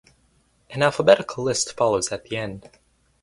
An alphabetical list follows at the end.